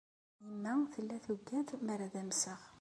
Yemma tella tuggad mer ad amseɣ.